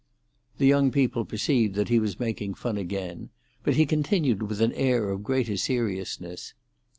The young people perceived that he was making fun again; but he continued with an air of greater seriousness.